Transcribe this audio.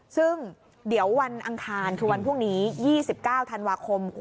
ซึ่งเดี๋ยววันอังคารคือวันพรุ่งนี้๒๙ธันวาคม